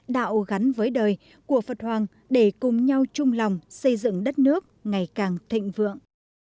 đạo gắn với đời của phật hoàng để cùng nhau chung lòng xây dựng đất nước ngày càng thịnh vượng